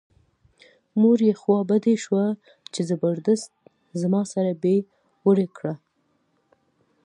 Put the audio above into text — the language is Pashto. مور یې خوا بډۍ شوه چې زبردست زما سره بې وري وکړه.